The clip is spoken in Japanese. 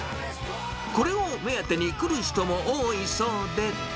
これを目当てに来る人も多いそうで。